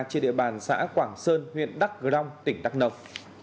trên địa bàn xã quảng sơn huyện đắk grong tỉnh đắk nông